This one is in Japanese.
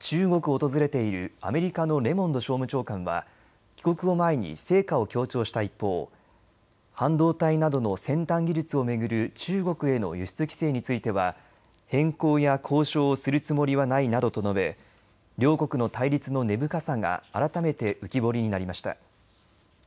中国を訪れているアメリカのレモンド商務長官は帰国を前に成果を強調した一方半導体などの先端技術を巡る中国への輸出規制については変更や交渉をするつもりはないなどと述べ両国の対立の根深さが改めて浮き彫りになりました。